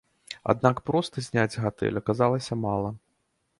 Аднак проста зняць гатэль аказалася мала.